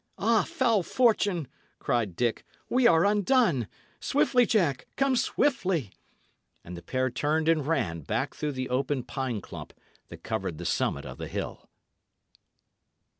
"Ah, foul fortune!" cried Dick. "We are undone. Swiftly, Jack, come swiftly!" And the pair turned and ran back through the open pine clump that covered the summit of the hill.